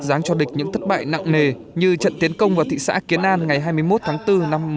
dáng cho địch những thất bại nặng nề như trận tiến công vào thị xã kiến an ngày hai mươi một tháng bốn năm một nghìn chín trăm năm mươi